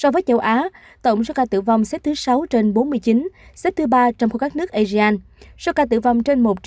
kiên giang bảy mươi ba